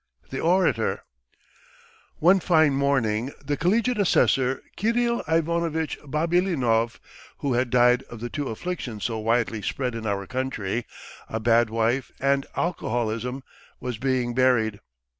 THE ORATOR ONE fine morning the collegiate assessor, Kirill Ivanovitch Babilonov, who had died of the two afflictions so widely spread in our country, a bad wife and alcoholism, was being buried.